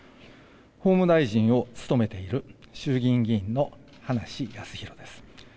法務大臣を務めている衆議院議員の葉梨康弘です。